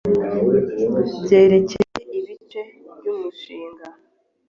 yerekeye ibice by umushinga